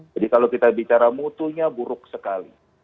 jadi kalau kita bicara mutunya buruk sekali